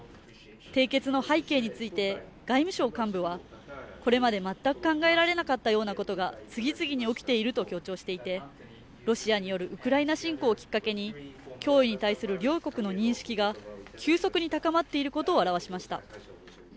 締結の背景について外務省幹部はこれまで全く考えられなかったようなことが次々に起きていると強調していて、ロシアによるウクライナ侵攻をきっかけに、脅威に対する両国の認識が急速に高まっていることを表しました。